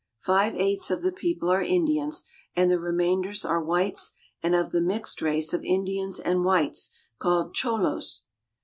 Five eighths of the people are Indians, and the remainder are whites and of the mixed race of Indians and whites called cho'los.